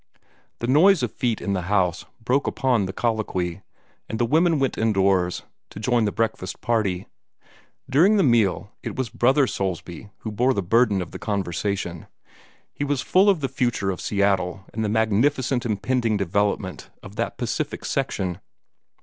The noise of feet in the house broke upon the colloquy, and the women went indoors, to join the breakfast party. During the meal, it was Brother Soulsby who bore the burden of the conversation. He was full of the future of Seattle and the magnificent impending development of that Pacific section.